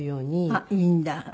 あっいいんだ。